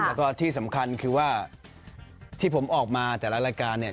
แล้วก็ที่สำคัญคือว่าที่ผมออกมาแต่ละรายการเนี่ย